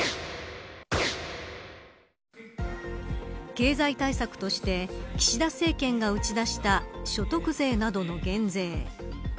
経済対策として岸田政権が打ち出した所得税などの減税。